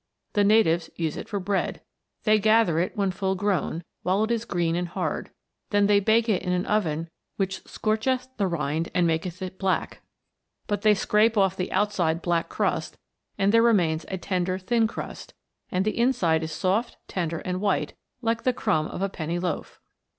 The natives use it for bread. They gather it when full WONDERFUL PLANTS. 233 grown, while it is green and hard ; then they bake it in an oven which scorcheth the rind and maketh it black ; but they scrape off the outside black crust, and there remains a tender thin crust; and the in side is soft, tender, and white, like the crumb of a penny loaf.